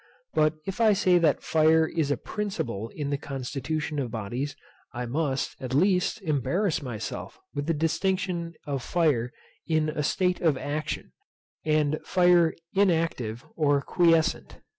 But if I say that fire is a principle in the constitution of bodies, I must, at least, embarrass myself with the distinction of fire in a state of action, and fire inactive, or quiescent.